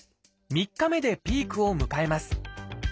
３日目でピークを迎えます。